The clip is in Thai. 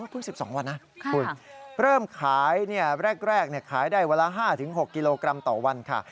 คุณ๑๒วันนะคุณเริ่มขายแรกขายได้วันละ๕๖กิโลกรัมต่อวันค่ะ